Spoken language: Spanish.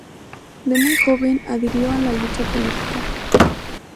De muy joven adhirió a la lucha política.